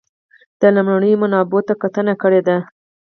د لومړنیو منابعو ته کتنه کړې ده.